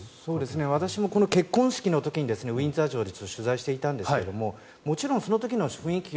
私も結婚式の時にウィンザー城で取材していたんですがもちろん、その時の雰囲気